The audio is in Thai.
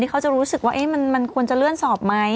เขาจะรู้สึกว่ามันควรจะเลื่อนสอบไหม